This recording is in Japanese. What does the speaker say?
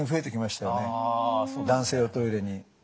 男性用トイレに。